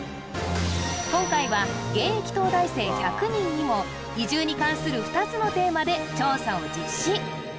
今回は現役東大生１００人にも移住に関する２つのテーマで調査を実施